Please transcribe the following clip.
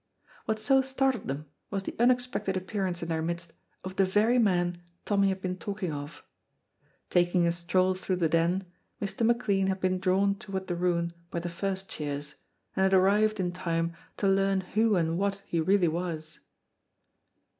What so startled them was the unexpected appearance in their midst of the very man Tommy had been talking of. Taking a stroll through the Den, Mr. McLean had been drawn toward the ruin by the first cheers, and had arrived in time to learn who and what he really was.